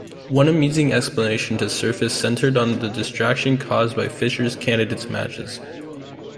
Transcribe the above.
One amusing explanation to surface centred on the distraction caused by Fischer's Candidates matches.